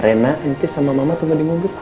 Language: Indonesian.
reina ancis sama mama tunggu di ngobur